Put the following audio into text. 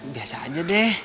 biasa aja deh